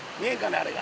あれが。